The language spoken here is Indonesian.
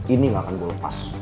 ini gak akan gue lepas